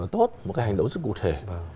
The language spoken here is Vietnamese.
tốt một cái hành động rất cụ thể